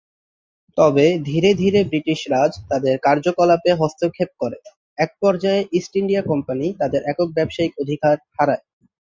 তবে ধীরে ধীরে ব্রিটিশ রাজ তাদের কার্যকলাপ-এ হস্তক্ষেপ করে, এক পর্যায়ে ইষ্ট ইন্ডিয়া কোম্পানী তাদের একক ব্যবসায়িক অধিকার হারায়।